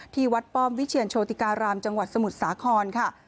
ที่วัดป้อมวิเชียรโชติการามจังหวัดสมุทรสาครค่ะ